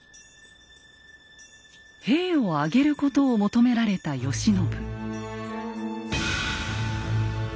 兵を挙げることを求められた慶喜。